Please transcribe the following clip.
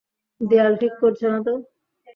দেয়াল ঠিক করছো নাতো?